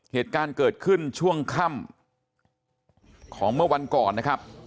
เหตุการณ์เกิดขึ้นช่วงค่ำของเมื่อวันก่อนนะครับ